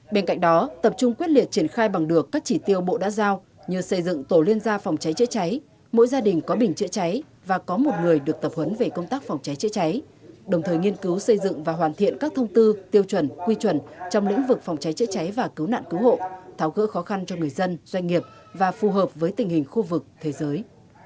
bên cạnh đó tập trung quyết liệt triển khai bằng được các chỉ tiêu bộ đã giao như xây dựng tổ liên gia phòng cháy chữa cháy mỗi gia đình có bình chữa cháy và có một người được tập huấn về công tác phòng cháy chữa cháy đồng thời nghiên cứu xây dựng và hoàn thiện các thông tư tiêu chuẩn quy chuẩn trong lĩnh vực phòng cháy chữa cháy và cứu nạn cứu hộ tháo gỡ khó khăn cho người dân doanh nghiệp và phù hợp với tình hình khu vực thế giới